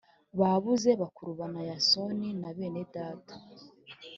bababuze bakurubana yasoni na bene data